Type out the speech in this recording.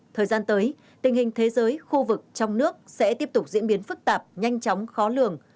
thời gian tới tình hình thế giới khu vực trong nước sẽ tiếp tục diễn biến phức tạp nhanh chóng khó lường